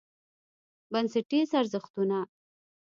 بنسټیز ارزښتونه: